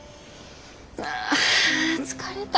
あ疲れた。